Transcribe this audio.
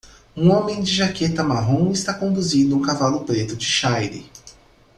Um homem de jaqueta marrom está conduzindo um cavalo preto de shire.